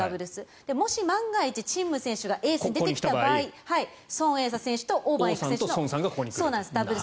もし万が一、チン・ム選手がエースに出てきた場合ソン・エイサ選手とオウ・バンイク選手のダブルス。